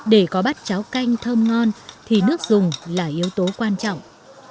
để có bát cháo canh thơm ngon thì nước dùng là yếu tố quan trọng